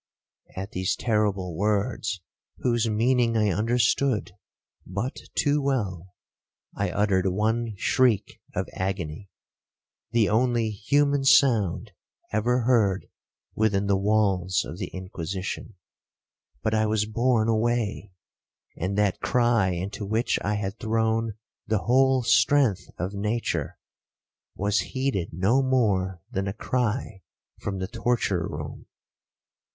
At these terrible words, whose meaning I understood but too well, I uttered one shriek of agony—the only human sound ever heard within the walls of the Inquisition. But I was borne away; and that cry into which I had thrown the whole strength of nature, was heeded no more than a cry from the torture room.